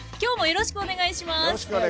よろしくお願いします。